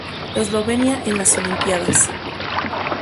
Eslovenia en las Olimpíadas